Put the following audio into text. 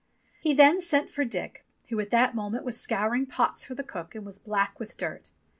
He then sent for Dick, who at the moment was scouring pots for the cook and was black with dirt.